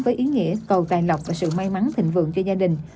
với ý nghĩa cầu tài lộc và sự may mắn thịnh vượng cho gia đình